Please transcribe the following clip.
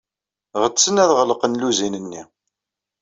Ɣetsen ad ɣelqen lluzin-nni.